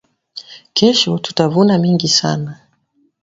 Kesho tuta vuna mingi sana